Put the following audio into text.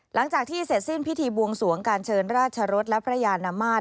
หลังจากที่เสร็จสิ้นพิธีบวงสวงการเชิญราชรสและพระยานมาตร